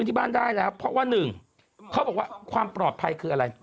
ที่บ้านได้แล้วเพราะว่าหนึ่งเขาบอกว่าความปลอดภัยคืออะไร